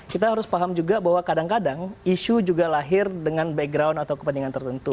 kita harus paham juga bahwa kadang kadang isu juga lahir dengan background atau kepentingan tertentu